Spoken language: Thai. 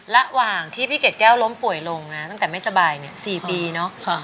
ระหว่างที่พี่เกดแก้วล้มป่วยลงนะตั้งแต่ไม่สบายเนี่ย๔ปีเนอะ